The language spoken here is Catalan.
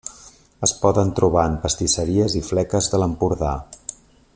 Es poden trobar en pastisseries i fleques de l'Empordà.